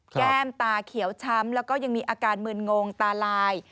แก้มตาเขียวช้ำแล้วก็ยังมีอาการมืนงงตาลาย